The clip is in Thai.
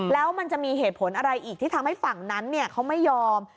แล้วมันจะมีเหตุผลอะไรอีกที่ทำให้ฝั่งนั้นเขาไม่ยอม